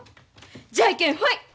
じゃんけんほい！